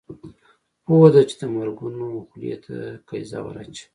پوهه ده چې د مرګونو خولې ته قیضه ور اچوي.